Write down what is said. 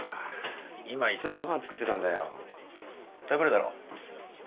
今急いでご飯作ってたんだよ食べるだろ？